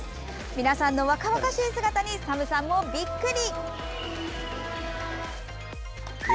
皆さんの若々しい姿にＳＡＭさんもびっくり！